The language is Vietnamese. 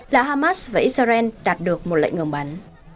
là hamas và israel đạt được một lệnh ngừng bắn